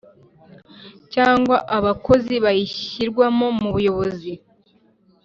cyangwa abakozi bayishyirwamo nu muyobozi